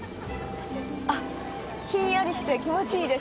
あっひんやりして気持ちいいです。